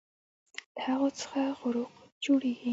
له هغو څخه غروق جوړوي